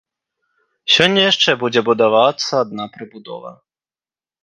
Сёння яшчэ будзе будавацца адна прыбудова.